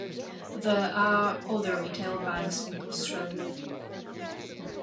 There are other retail banks in Australia.